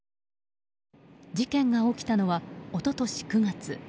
事件が起きたのは一昨年９月。